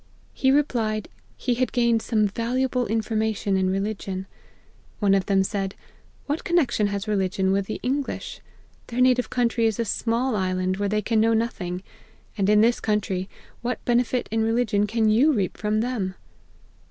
He replied, he had gained some valuable information in religion. One of them said, ' What connexion has religion with the English ? Their native country is a small island, where they can know nothing ; and in this country, what benefit in religion can you reap from them